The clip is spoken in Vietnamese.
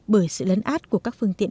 bởi sự lấn át của các phương tiện